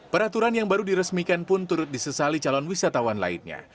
peraturan yang baru diresmikan pun turut disesali calon wisatawan lainnya